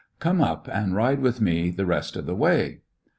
Come up and ride with me the rest of the way."